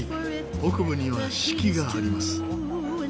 北部には四季があります。